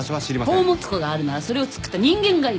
宝物庫があるならそれを作った人間がいる！